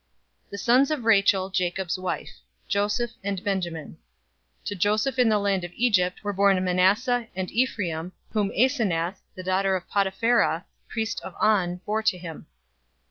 046:019 The sons of Rachel, Jacob's wife: Joseph and Benjamin. 046:020 To Joseph in the land of Egypt were born Manasseh and Ephraim, whom Asenath, the daughter of Potiphera, priest of On, bore to him.